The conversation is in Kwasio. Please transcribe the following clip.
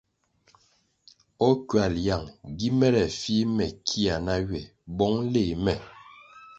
O ckywal yang gi mere fih me kia na ywe bong léh me?